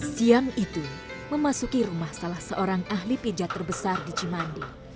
siang itu memasuki rumah salah seorang ahli pijat terbesar di cimandi